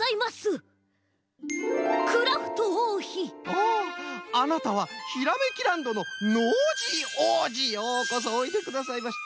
おおあなたはひらめきランドのノージーおうじようこそおいでくださいました。